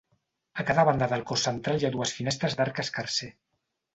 A cada banda del cos central hi ha dues finestres d'arc escarser.